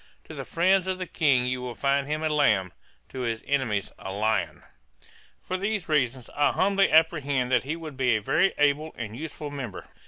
To the friends of the King you will find him a lamb, to his enemies a lion. 'For these reasons, I humbly apprehend that he would be a very able and useful member.